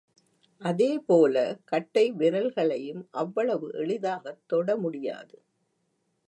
அதேபோல, கட்டை விரல்களையும் அவ்வளவு எளிதாகத் தொட முடியாது.